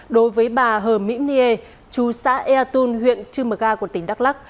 đối với bà hờ mỹ nghê chú xã ea tôn huyện trư mực a của tỉnh đắk lắc